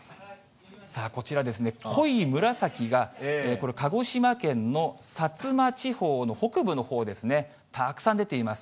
さあ、こちらですね、濃い紫がこれ、鹿児島県の薩摩地方の北部のほうですね、たくさん出ています。